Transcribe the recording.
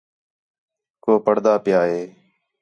کُو پڑھدا پِیا ہے